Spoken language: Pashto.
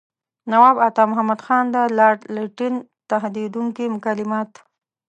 نواب عطامحمد خان د لارډ لیټن تهدیدوونکي کلمات.